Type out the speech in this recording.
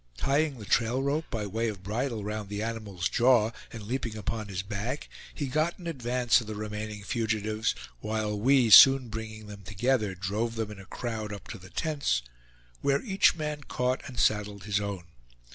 Tying the trail rope by way of bridle round the animal's jaw, and leaping upon his back, he got in advance of the remaining fugitives, while we, soon bringing them together, drove them in a crowd up to the tents, where each man caught and saddled his own.